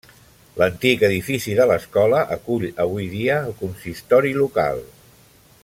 L'antic edifici de l'escola acull avui dia el consistori local.